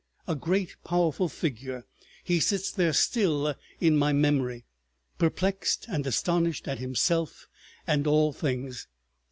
A great powerful figure he sits there still in my memory, perplexed and astonished at himself and all things.